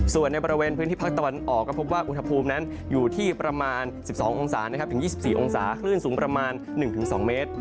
ส่วนในบริเวณพื้นที่ภาคตะวันออกก็พบว่าอุณหภูมินั้นอยู่ที่ประมาณ๑๒องศาถึง๒๔องศาคลื่นสูงประมาณ๑๒เมตร